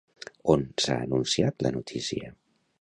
On s'ha anunciat la notícia?